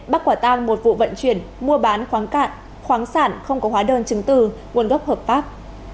bắt quả tang một vụ vận chuyển mua bán khoáng cạn khoáng sản không có hóa đơn chứng từ nguồn gốc hợp pháp